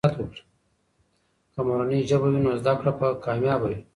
که مورنۍ ژبه وي، نو زده کړه به کامیابه وي.